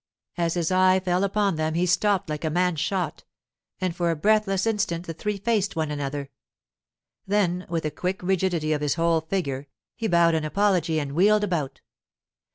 As his eye fell upon them he stopped like a man shot, and for a breathless instant the three faced one another. Then, with a quick rigidity of his whole figure, he bowed an apology and wheeled about.